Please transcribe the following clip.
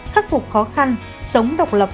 khắc phục khó khăn sống độc lập